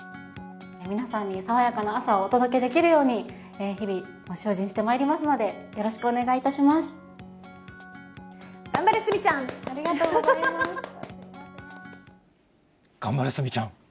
皆さんに爽やかな朝をお届けできるように、日々、精進してまいりますので、よろしくお願いい頑張れ、鷲見ちゃん。